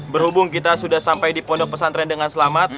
berhubung kita sudah sampai di pondok pesantren dengan selamat